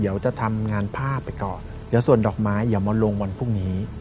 เดี๋ยวจะทำงานผ้าไปก่อนเดี๋ยวส่วนดอกไม้อย่ามาลงวันพรุ่งนี้